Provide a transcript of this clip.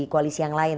di koalisi yang lain